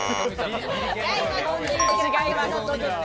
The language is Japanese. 違います。